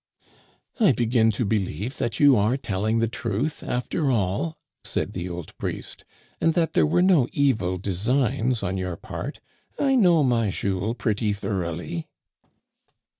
I begin to believe that you are telling the truth, after all," said the old priest, and that there were no evil designs on your part. I know my Jules pretty thor oughly."